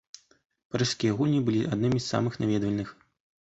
Парыжскія гульні былі аднымі з самых наведвальных.